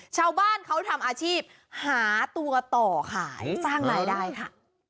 ชาวบ้านเขาทำอาชีพหาตัวต่อขายสร้างรายได้ค่ะ